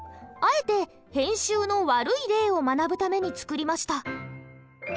あえて編集の悪い例を学ぶために作りました。